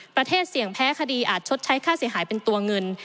ประเทศเสี่ยงแพ้คดีอาจชดใช้ค่าเสียหายเป็นตัวเงิน